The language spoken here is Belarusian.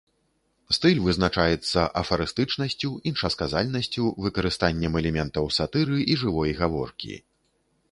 Стыль вызначаецца афарыстычнасцю, іншасказальнасцю, выкарыстаннем элементаў сатыры і жывой гаворкі.